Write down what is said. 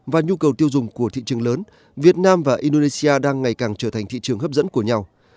và nhu cầu tiêu dùng của thị trường lớn việt nam và indonesia đang ngày càng trở thành thị trường hấp dẫn của nhau